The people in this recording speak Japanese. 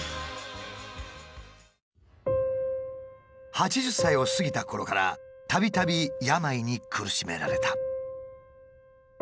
８０歳を過ぎたころからたびたび病に苦しめられた。